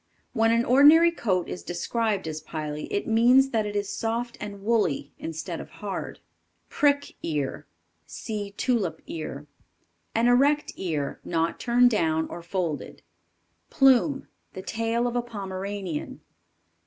When an ordinary coat is described as pily, it means that it is soft and woolly, instead of hard. Prick Ear, (See Tulip ear). An erect ear; not turned down or folded. Plume. The tail of a Pomeranian.